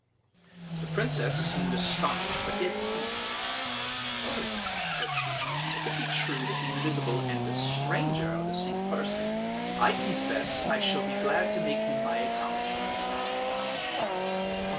The princess seemed astonished, but yet pleased. "Oh," said she, "if it be true that the invisible and the stranger are the same person, I confess I shall be glad to make him my acknowledgments."